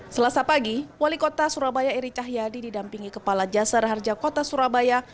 selasa pagi wali kota surabaya eri cahyadi didampingi kepala jasar harja kota surabaya